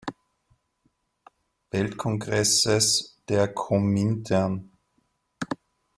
Weltkongresses der Komintern.